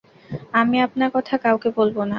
আমি আপনার কথা কাউকে বলব না।